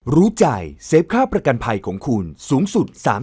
รู้ใจเซฟค่าประกันภัยของคุณสูงสุด